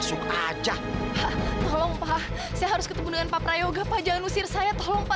sampai jumpa di video selanjutnya